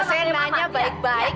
saya nanya baik baik